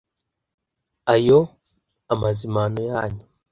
Ayo amazimano; yanyu